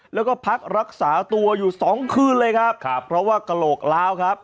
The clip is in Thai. แล้วก็พักรักษาตัวอยู่สองคืนเลยครับครับเพราะว่ากระโหลกล้าวครับ